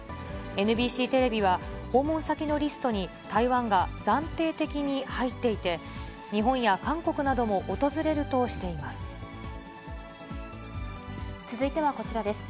ＮＢＣテレビは、訪問先のリストに台湾が暫定的に入っていて、日本や韓国なども訪れるとしています。